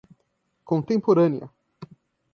contemporânea